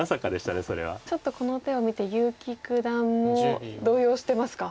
ちょっとこの手を見て結城九段も動揺してますか。